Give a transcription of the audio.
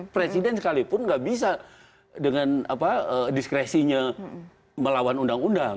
presiden sekalipun nggak bisa dengan diskresinya melawan undang undang